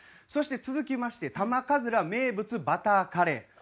そして続きまして玉鬘名物バターカレー。